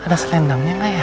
ada selendangnya gak ya